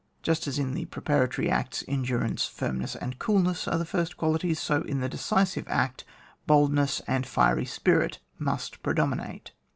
Just as in the preparatory acts, endurance, fimmess, and coolness are the first qualities, so in the decisive act, boldness and fiery spirit must predomi nate.